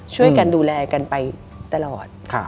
ช่วยกันดูแลกันไปตลอด